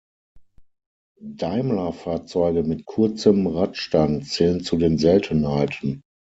Daimler-Fahrzeuge mit kurzem Radstand zählen zu den Seltenheiten.